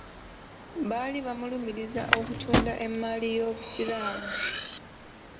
Baali bamulumiriza okutunda emmaali y'Obusiraamu.